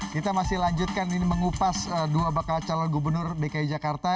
kita masih lanjutkan ini mengupas dua bakal calon gubernur dki jakarta